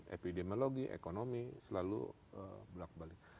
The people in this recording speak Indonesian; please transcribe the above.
epidemiologi ekonomi selalu belak balik